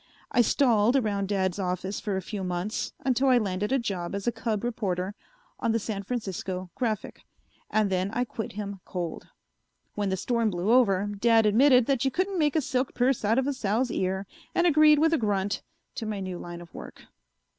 I stalled around Dad's office for a few months until I landed a job as a cub reporter on the San Francisco Graphic and then I quit him cold. When the storm blew over, Dad admitted that you couldn't make a silk purse out of a sow's ear and agreed with a grunt to my new line of work.